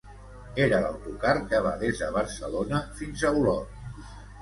Era l'autocar que va des de Barcelona fins a Olot.